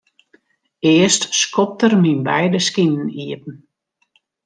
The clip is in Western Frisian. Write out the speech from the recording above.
Earst skopt er myn beide skinen iepen.